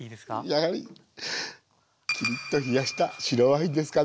やはりきりっと冷やした白ワインですかね。